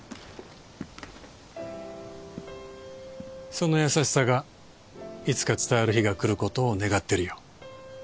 その優しさがいつか伝わる日がくる事を願ってるよ。